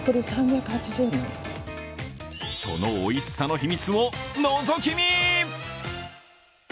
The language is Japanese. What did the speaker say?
そのおいしさの秘密を、のぞき見。